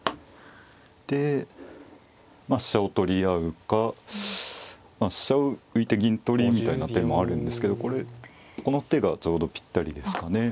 でまあ飛車を取り合うか飛車を浮いて銀取りみたいな手もあるんですけどこれこの手がちょうどぴったりですかね。